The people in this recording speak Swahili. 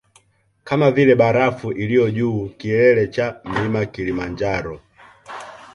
Kama vile barafu iliyo juu kilele cha mlima kilimanjaro